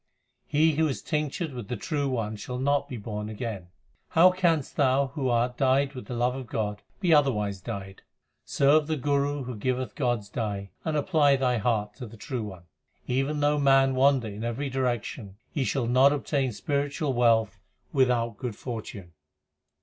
He who is tinctured with the True One shall not be born again. How canst thou who art dyed with the love of God, be otherwise dyed ? Serve the Guru who giveth God s dye, and apply thy heart to the True One. Even though man wander in every direction, he shall not obtain spiritual wealth without good fortune.